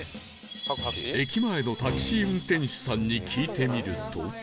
駅前のタクシー運転手さんに聞いてみると